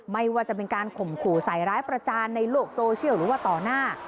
ไม่ว่าจะเป็นการข่มขู่ใส่ร้ายประจานในโลกโซเชียลหรือว่าต่อหน้า